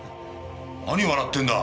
何笑ってんだ！